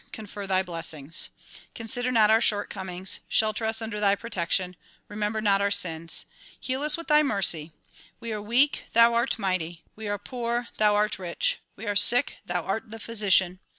confer thy blessings. Consider not our shortcomings. Shelter us under thy protection. Remember not our sins. Heal us with thy mercy. We are weak; thou art mighty. We are poor; thou art rich. W^e are sick ; thou art the physician.